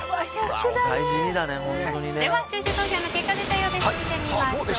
視聴者投票の結果出たようです。